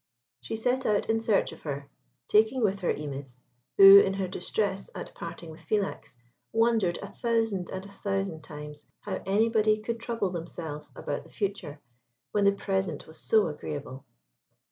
She set out in search of her, taking with her Imis, who, in her distress at parting with Philax, wondered a thousand and a thousand times how anybody could trouble themselves about the future when the present was so agreeable.